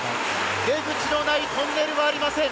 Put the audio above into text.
出口のないトンネルはありません。